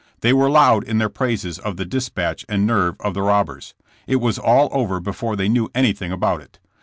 They were loud in their praises of the dispatch and nerve of the robbers. It was all over before they knew anything about it.